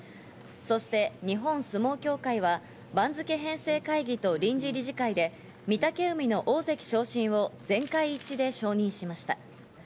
そして日本相撲協会は番付編成会議と臨時理事会で御嶽海の大関昇進を全会一致で承認しました。